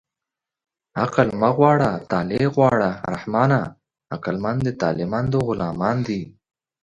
عقل مه غواړه طالع غواړه رحمانه عقلمند د طالعمندو غلامان دي